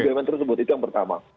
itu yang pertama